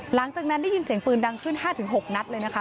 หลังจากนั้นได้ยินเสียงปืนดังขึ้น๕๖นัดเลยนะคะ